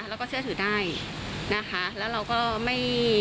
แล้วก็เชื่อถือได้นะคะแล้วเราก็ไม่